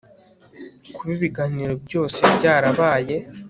kuba ibiganiro byose byarabaye